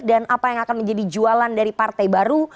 dan apa yang akan menjadi jualan dari partai baru